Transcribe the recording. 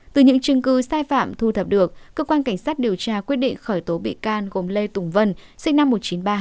từ những chứng cứ sai phạm thu thập được cơ quan cảnh sát điều tra quyết định khởi tố bị can gồm lê tùng vân sinh năm một nghìn chín trăm ba mươi hai